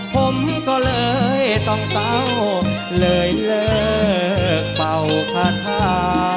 ผมก็เลยต้องเศร้าเลยเลิกเป่าคาถา